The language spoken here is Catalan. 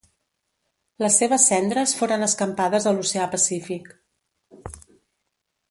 Les seves cendres foren escampades a l'Oceà Pacífic.